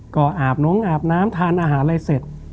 ก็อาบน้องอาบน้ำทานอาหารอะไรเสร็จ